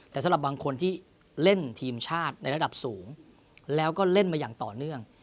แต่สำหรับบางคนที่เล่นทีมชาติในระดับสูงแล้วก็เล่นมาอย่างต่อเนื่อง